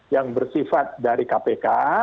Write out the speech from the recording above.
yang bersifat dari kpk